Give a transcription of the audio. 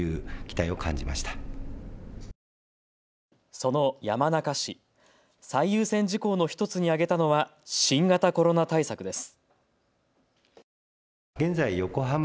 その山中氏、最優先事項の１つに挙げたのは新型コロナ対策です。